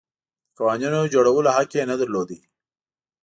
د قوانینو د جوړولو حق یې نه درلود.